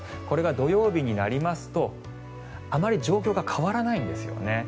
これが土曜日になりますとあまり状況が変わらないんですよね。